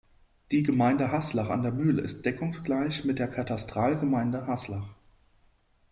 Die Gemeinde Haslach an der Mühl ist deckungsgleich mit der Katastralgemeinde Haslach.